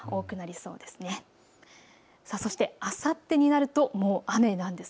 そして、あさってになると雨なんです。